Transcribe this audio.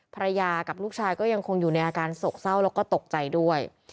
ภรรยากับลูกชายก็ยังคงอยู่ในอาการโศกเศร้าแล้วก็ตกใจด้วย